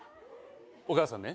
お母さんね